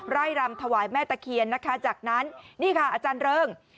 รำถวายแม่ตะเคียนนะคะจากนั้นนี่ค่ะอาจารย์เริง